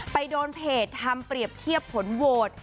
ไปโดนเพจทำเปรียบเทียบผลโหวต